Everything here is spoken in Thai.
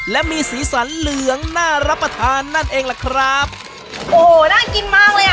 และมีสีสันเหลืองน่ารับประทานนั่นเองล่ะครับโอ้โหน่ากินมากเลยอ่ะ